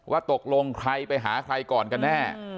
ว่าตกลงใครไปหาใครก่อนกันแน่